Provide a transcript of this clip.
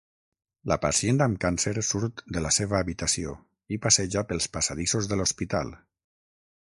La pacient amb càncer surt de la seva habitació i passeja pels passadissos de l'hospital.